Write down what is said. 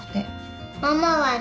ママはね